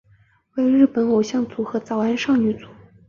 为日本偶像组合早安少女组。